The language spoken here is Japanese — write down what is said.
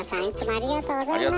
ありがとうございます。